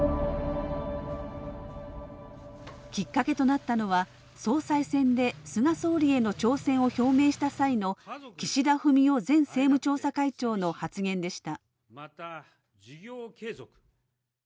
きっかけとなったのは総裁選で菅総理への挑戦を表明した際の岸田文雄前政務調査会長の発言でした。